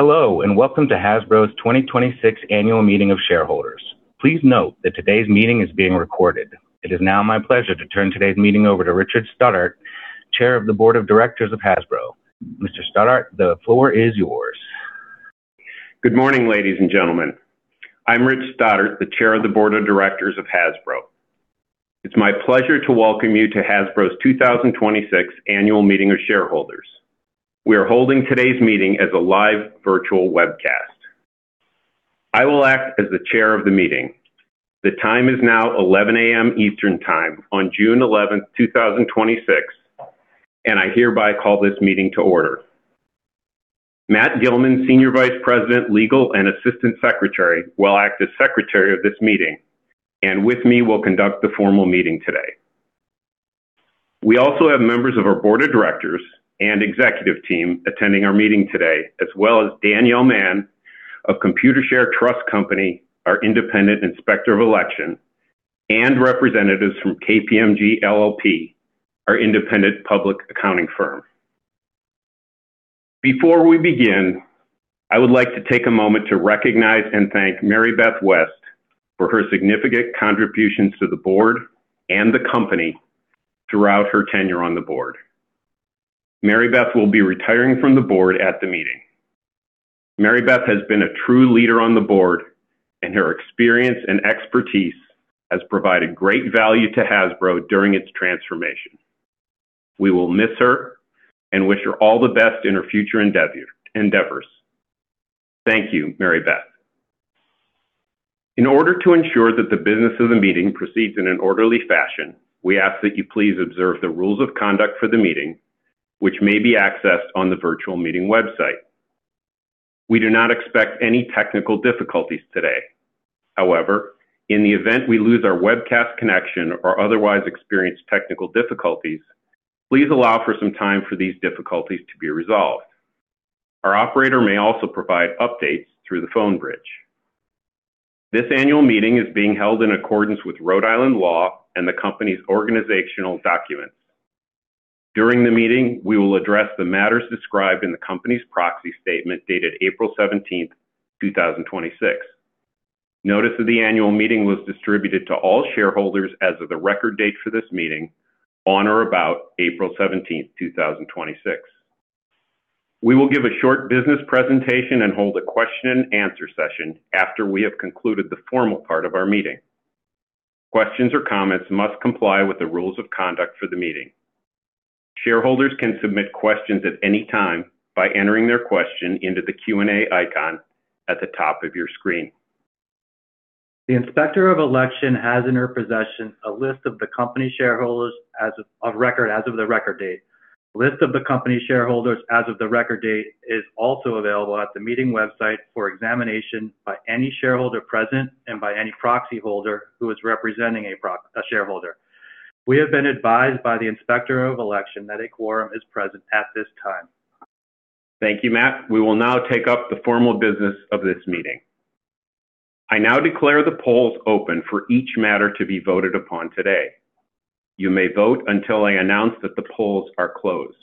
Hello. Welcome to Hasbro's 2026 Annual Meeting of Shareholders. Please note that today's meeting is being recorded. It is now my pleasure to turn today's meeting over to Richard Stoddart, chair of the Board of Directors of Hasbro. Mr. Stoddart, the floor is yours. Good morning, ladies and gentlemen. I'm Rich Stoddart, the Chair of the Board of Directors of Hasbro. It's my pleasure to welcome you to Hasbro's 2026 Annual Meeting of shareholders. We are holding today's meeting as a live virtual webcast. I will act as the chair of the meeting. The time is now 11:00 A.M. Eastern Time on June 11th, 2026. I hereby call this meeting to order. Matt Gilman, Senior Vice President Legal and Assistant Secretary, will act as Secretary of this meeting. With me will conduct the formal meeting today. We also have members of our Board of Directors and executive team attending our meeting today, as well as Danielle Mann of Computershare Trust Company, our independent inspector of Election. Representatives from KPMG LLP, our independent public accounting firm. Before we begin, I would like to take a moment to recognize and thank Mary Beth West for her significant contributions to the board and the company throughout her tenure on the board. Mary Beth will be retiring from the board at the meeting. Mary Beth has been a true leader on the board. Her experience and expertise has provided great value to Hasbro during its transformation. We will miss her. We wish her all the best in her future endeavors. Thank you, Mary Beth. In order to ensure that the business of the meeting proceeds in an orderly fashion, we ask that you please observe the rules of conduct for the meeting, which may be accessed on the virtual meeting website. We do not expect any technical difficulties today. In the event we lose our webcast connection or otherwise experience technical difficulties, please allow for some time for these difficulties to be resolved. Our operator may also provide updates through the phone bridge. This Annual Meeting is being held in accordance with Rhode Island law and the company's organizational documents. During the meeting, we will address the matters described in the company's proxy statement dated April 17th, 2026. Notice of the Annual Meeting was distributed to all shareholders as of the record date for this meeting on or about April 17th, 2026. We will give a short business presentation. We will hold a question-and-answer session after we have concluded the formal part of our meeting. Questions or comments must comply with the rules of conduct for the meeting. Shareholders can submit questions at any time by entering their question into the Q&A icon at the top of your screen. The Inspector of Election has in her possession a list of the company shareholders as of the record date. List of the company shareholders as of the record date is also available at the meeting website for examination by any shareholder present and by any proxy holder who is representing a shareholder. We have been advised by the Inspector of Election that a quorum is present at this time. Thank you, Matt. We will now take up the formal business of this meeting. I now declare the polls open for each matter to be voted upon today. You may vote until I announce that the polls are closed.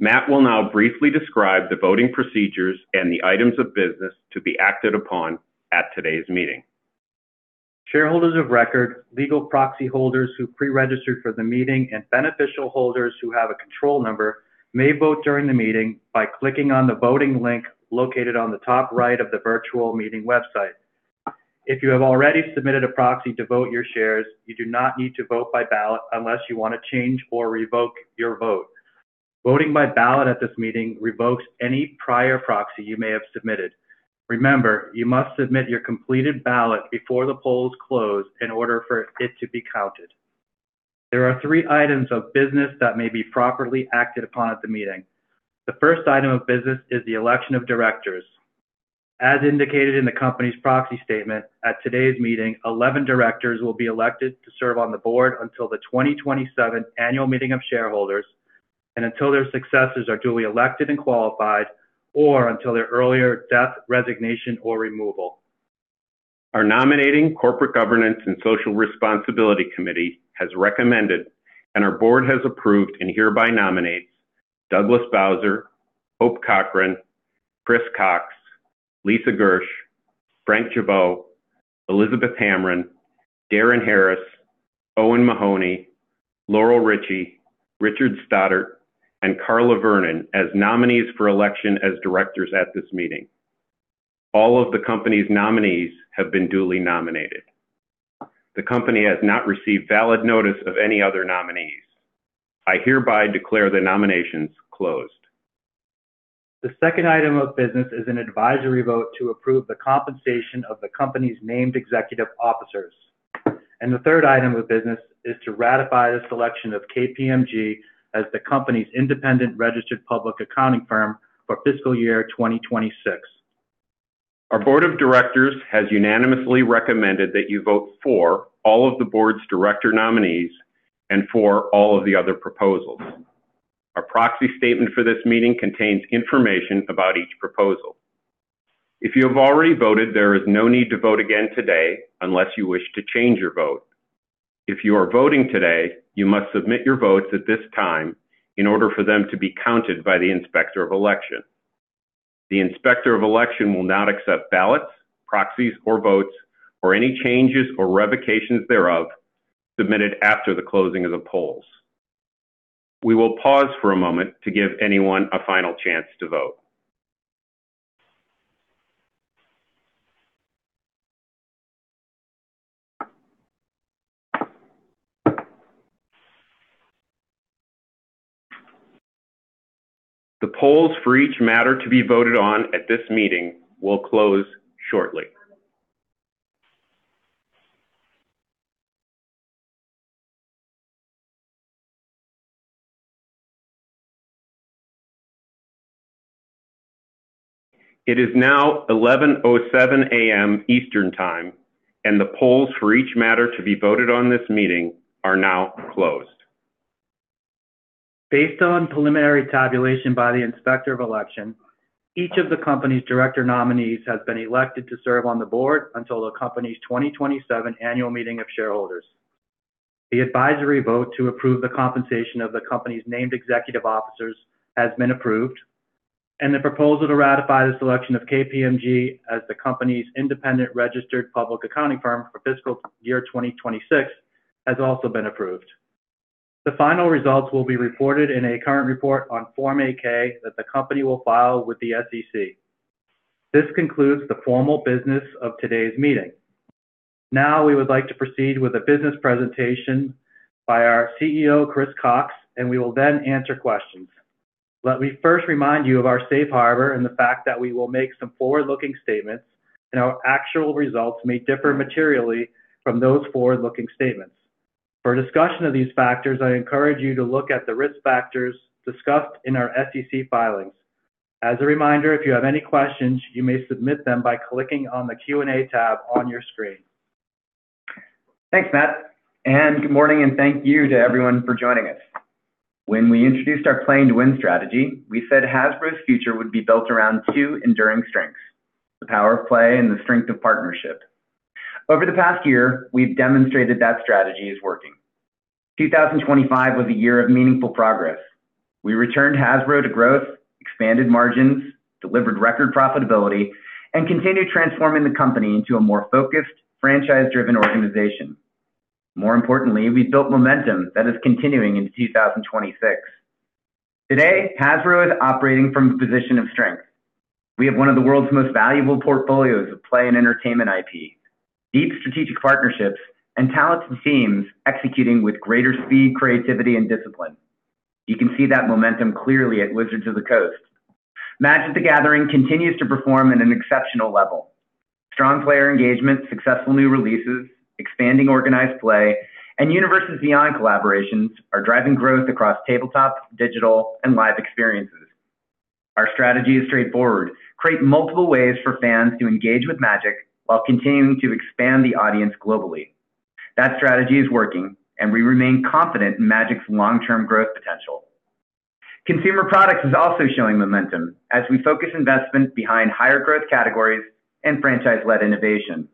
Matt will now briefly describe the voting procedures and the items of business to be acted upon at today's meeting. Shareholders of record, legal proxy holders who pre-registered for the meeting, and beneficial holders who have a control number may vote during the meeting by clicking on the voting link located on the top right of the virtual meeting website. If you have already submitted a proxy to vote your shares, you do not need to vote by ballot unless you want to change or revoke your vote. Voting by ballot at this meeting revokes any prior proxy you may have submitted. Remember, you must submit your completed ballot before the polls close in order for it to be counted. There are three items of business that may be properly acted upon at the meeting. The first item of business is the election of directors. As indicated in the company's proxy statement, at today's meeting, 11 directors will be elected to serve on the board until the 2027 Annual Meeting of Shareholders and until their successors are duly elected and qualified or until their earlier death, resignation, or removal. Our nominating corporate governance and social responsibility committee has recommended, and our board has approved and hereby nominates Doug Bowser, Hope Cochran, Chris Cocks, Lisa Gersh, Frank Gibeau, Elizabeth Hamren, Darin Harris, Owen Mahoney, Laurel Richie, Richard Stoddart, and Carla Vernon as nominees for election as directors at this meeting. All of the company's nominees have been duly nominated. The company has not received valid notice of any other nominees. I hereby declare the nominations closed. The second item of business is an advisory vote to approve the compensation of the company's named executive officers, and the third item of business is to ratify the selection of KPMG as the company's independent registered public accounting firm for fiscal year 2026. Our Board of Directors has unanimously recommended that you vote for all of the board's director nominees and for all of the other proposals. Our proxy statement for this meeting contains information about each proposal. If you have already voted, there is no need to vote again today unless you wish to change your vote. If you are voting today, you must submit your votes at this time in order for them to be counted by the Inspector of Election. The Inspector of Election will not accept ballots, proxies, or votes, or any changes or revocations thereof, submitted after the closing of the polls. We will pause for a moment to give anyone a final chance to vote. The polls for each matter to be voted on at this meeting will close shortly. It is now 11:07 A.M. Eastern Time, the polls for each matter to be voted on this meeting are now closed. Based on preliminary tabulation by the Inspector of Election, each of the company's director nominees has been elected to serve on the board until the company's 2027 Annual Meeting of Shareholders. The advisory vote to approve the compensation of the company's named executive officers has been approved, the proposal to ratify the selection of KPMG as the company's independent registered public accounting firm for fiscal year 2026 has also been approved. The final results will be reported in a current report on Form 8-K that the company will file with the SEC. This concludes the formal business of today's meeting. We would like to proceed with a business presentation by our CEO, Chris Cocks, and we will then answer questions. Let me first remind you of our safe harbor and the fact that we will make some forward-looking statements and our actual results may differ materially from those forward-looking statements. For a discussion of these factors, I encourage you to look at the risk factors discussed in our SEC filings. As a reminder, if you have any questions, you may submit them by clicking on the Q&A tab on your screen. Thanks, Matt, good morning and thank you to everyone for joining us. When we introduced our Playing to Win strategy, we said Hasbro's future would be built around two enduring strengths, the power of play and the strength of partnership. Over the past year, we've demonstrated that strategy is working. 2025 was a year of meaningful progress. We returned Hasbro to growth, expanded margins, delivered record profitability, and continued transforming the company into a more focused, franchise-driven organization. More importantly, we built momentum that is continuing into 2026. Today, Hasbro is operating from a position of strength. We have one of the world's most valuable portfolios of play and entertainment IP, deep strategic partnerships, and talented teams executing with greater speed, creativity, and discipline. You can see that momentum clearly at Wizards of the Coast. Magic: The Gathering continues to perform at an exceptional level. Strong player engagement, successful new releases, expanding organized play, and Universes Beyond collaborations are driving growth across tabletop, digital, and live experiences. Our strategy is straightforward: create multiple ways for fans to engage with Magic while continuing to expand the audience globally. That strategy is working, and we remain confident in Magic's long-term growth potential. Consumer products is also showing momentum as we focus investment behind higher growth categories and franchise-led innovation.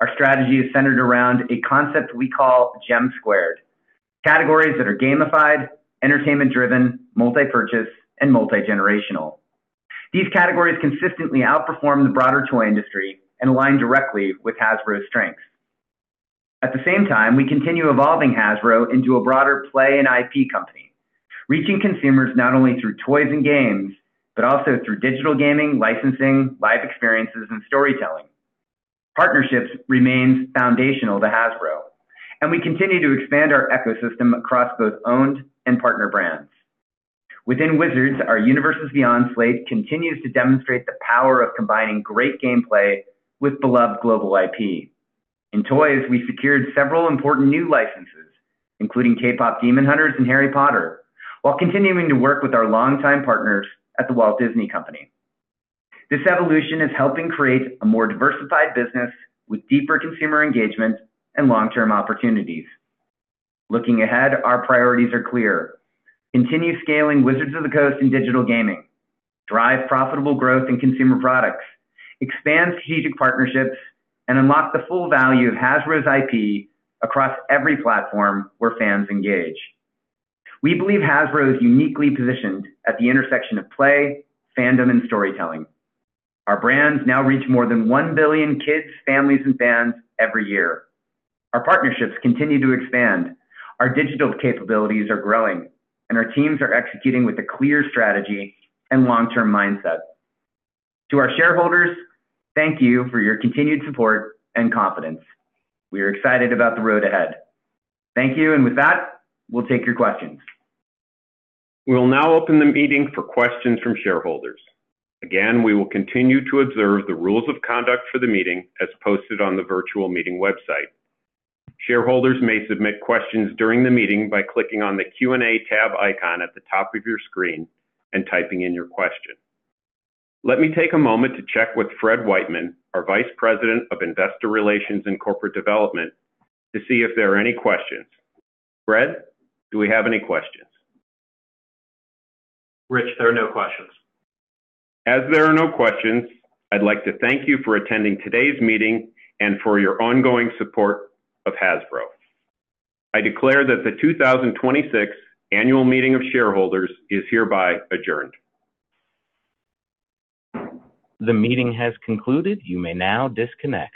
Our strategy is centered around a concept we call GEM Squared, categories that are gamified, entertainment driven, multi-purchase, and multi-generational. These categories consistently outperform the broader toy industry and align directly with Hasbro's strengths. At the same time, we continue evolving Hasbro into a broader play and IP company, reaching consumers not only through toys and games, but also through digital gaming, licensing, live experiences, and storytelling. Partnerships remains foundational to Hasbro. We continue to expand our ecosystem across both owned and partner brands. Within Wizards, our Universes Beyond slate continues to demonstrate the power of combining great gameplay with beloved global IP. In toys, we secured several important new licenses, including K-Pop Demon Hunters and Harry Potter, while continuing to work with our longtime partners at The Walt Disney Company. This evolution is helping create a more diversified business with deeper consumer engagement and long-term opportunities. Looking ahead, our priorities are clear. Continue scaling Wizards of the Coast and digital gaming, drive profitable growth in consumer products, expand strategic partnerships, and unlock the full value of Hasbro's IP across every platform where fans engage. We believe Hasbro is uniquely positioned at the intersection of play, fandom, and storytelling. Our brands now reach more than 1 billion kids, families, and fans every year. Our partnerships continue to expand, our digital capabilities are growing. Our teams are executing with a clear strategy and long-term mindset. To our shareholders, thank you for your continued support and confidence. We are excited about the road ahead. Thank you. With that, we'll take your questions. We will now open the meeting for questions from shareholders. Again, we will continue to observe the rules of conduct for the meeting as posted on the virtual meeting website. Shareholders may submit questions during the meeting by clicking on the Q&A tab icon at the top of your screen and typing in your question. Let me take a moment to check with Fred Wightman, our Vice President of Investor Relations and Corporate Development, to see if there are any questions. Fred, do we have any questions? Rich, there are no questions. There are no questions, I'd like to thank you for attending today's meeting and for your ongoing support of Hasbro. I declare that the 2026 Annual Meeting of Shareholders is hereby adjourned. The meeting has concluded. You may now disconnect.